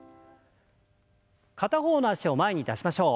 片方の脚を前に出しましょう。